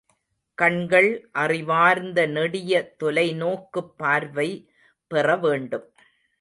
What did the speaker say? கண்கள் அறிவார்ந்த நெடிய தொலைநோக்குப் பார்வை பெறவேண்டும்.